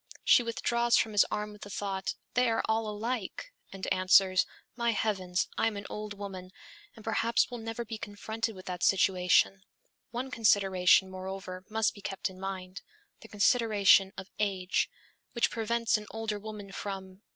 She withdraws from his arm with the thought, 'They are all alike!' and answers, 'My heavens, I am an old woman, and perhaps will never be confronted with that situation; one consideration, moreover, must be kept in mind: the consideration of age, which prevents an older woman from